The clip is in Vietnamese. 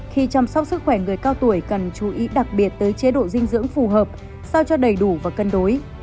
khi chăm sóc sức khỏe người cao tuổi cần chú ý đặc biệt tới chế độ dinh dưỡng phù hợp sao cho đầy đủ và cân đối